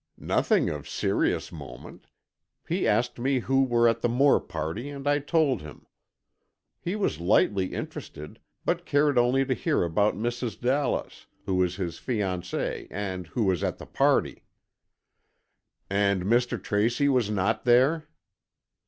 "Nothing of serious moment. He asked me who were at the Moore party and I told him. He was lightly interested, but cared only to hear about Mrs. Dallas, who is his fiancée and who was at the party." "And Mr. Tracy was not there?"